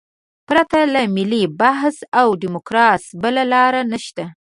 پرته له ملي بحث او ډیسکورس بله لار نشته.